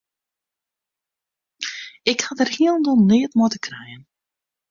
Ik ha dêr hielendal neat mei te krijen.